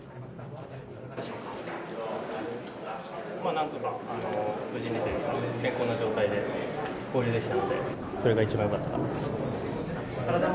何とか無事にというか健康な状態で合流できたのでそれが一番良かったと思います。